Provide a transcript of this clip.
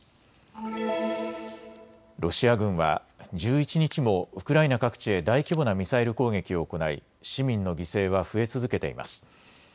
ロシア軍は１１日もウクライナ各地へ大規模なミサイル攻撃を行い市民の犠牲は増え続けています。